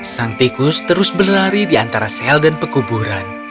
sang tikus terus berlari di antara sel dan pekuburan